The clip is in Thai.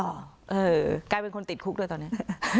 เออกลายเป็นคนติดคุกเลยตอนนี้